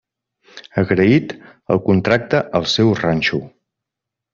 Agraït, el contracta al seu ranxo.